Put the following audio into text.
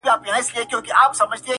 شپه په خندا ده. سهار حیران دی.